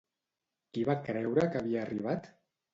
Qui va creure que havia arribat?